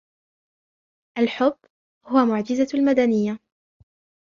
الحب هو معجزة المدنيّة.